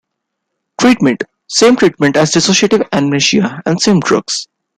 Treatment: Same treatment as dissociative amnesia, and same drugs.